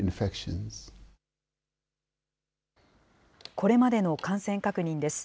これまでの感染確認です。